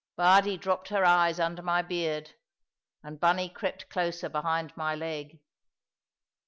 Bardie dropped her eyes under my beard, and Bunny crept closer behind my leg.